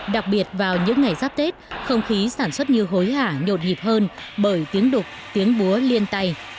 đặc biệt vào những ngày giáp tết không khí sản xuất như hối hả nhột nhịp hơn bởi tiếng đục tiếng búa liên tay